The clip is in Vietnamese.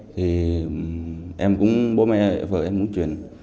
thì em cũng bố mẹ vợ em cũng chuyển